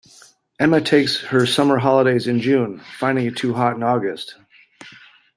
Emma takes her summer holidays in June, finding it too hot in August